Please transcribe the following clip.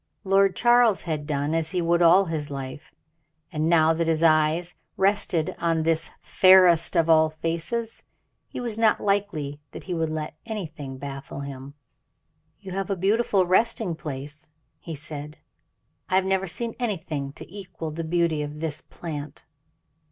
Lord Charles had done as he would all his life, and now that his eyes rested on this fairest of all faces, it was not likely that he would let anything baffle him. "You have a beautiful resting place," he said. "I have never seen anything to equal the beauty of this plant."